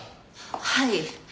はい。